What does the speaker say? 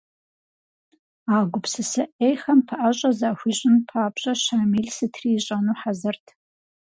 А гупсысэ Ӏейхэм пэӏэщӏэ захуищӏын папщӏэ Щамил сытри ищӏэну хьэзырт.